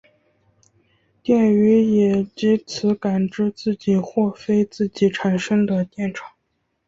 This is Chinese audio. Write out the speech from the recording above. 电鱼也藉此感知自己或非自己产生的电场。